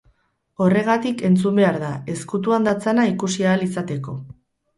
Horregatik entzun behar da, ezkutuan datzana ikusi ahal izateko.